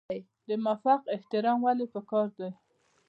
د مافوق احترام ولې پکار دی؟